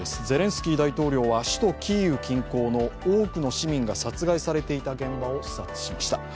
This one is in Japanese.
ゼレンスキー大統領は首都キーウ近郊の多くの市民が殺害されていた現場を視察しました。